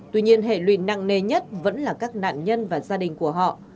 tuy nhiên hệ lụy nặng nề nhất vẫn là các nạn nhân và gia đình của họ